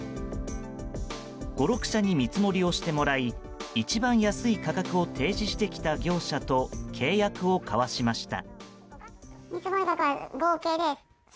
５６社に見積もりをしてもらい一番安い価格を提示してきた業者と契約を交わしました。